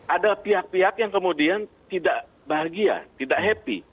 ada pihak pihak yang kemudian tidak bahagia tidak happy